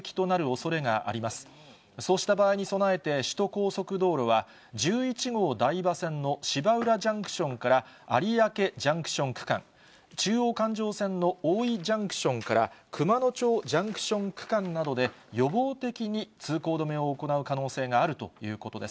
そうした場合に備えて、首都高速道路は、１１号台場線の芝浦ジャンクションから有明ジャンクション区間、中央環状線の大井ジャンクションから熊野町ジャンクション区間などで、予防的に通行止めを行う可能性があるということです。